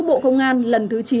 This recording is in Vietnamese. bộ công an lần thứ chín